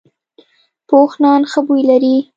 پوخ نان ښه بوی لري